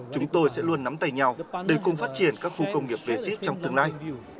chúng tôi sẽ luôn nắm tay nhau để cùng phát triển các khu công nghiệp v sip trong tương lai